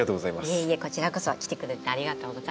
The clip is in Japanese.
いえいえこちらこそ来てくれてありがとうございます。